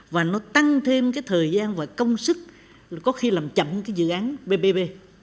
và nó tăng thêm cái thời gian và công sức có khi làm chậm cái dự án bbb